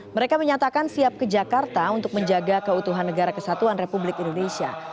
mereka menyatakan siap ke jakarta untuk menjaga keutuhan negara kesatuan republik indonesia